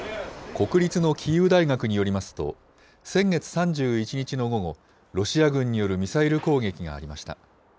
国立のキーウ大学によりますと、先月３１日の午後、ロシア軍によるミサイル攻撃がありました。